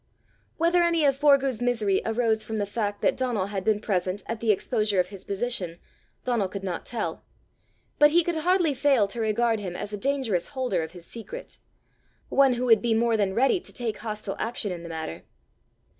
Whether any of Forgue's misery arose from the fact that Donal had been present at the exposure of his position, Donal could not tell; but he could hardly fail to regard him as a dangerous holder of his secret one who would be more than ready to take hostile action in the matter!